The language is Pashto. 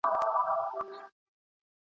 هغه په انګلستان کي د څيړني په برخه کي کار کوي.